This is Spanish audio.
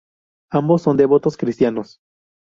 Ambos son devotos cristianos.